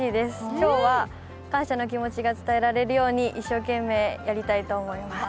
今日は感謝の気持ちが伝えられるように一生懸命、やりたいと思います。